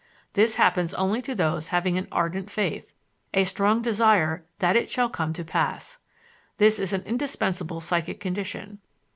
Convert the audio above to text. This happens only to those having an ardent faith, a strong desire that it shall come to pass. This is an indispensable psychic condition.